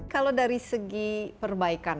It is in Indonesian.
kalau dari segi perbaikan